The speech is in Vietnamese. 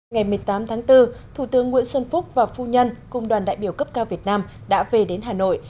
ngày một mươi tám tháng bốn thủ tướng nguyễn xuân phúc và phu nhân cùng đoàn đại biểu cấp cao việt nam đã về đến hà nội